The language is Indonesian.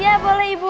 iya boleh ibu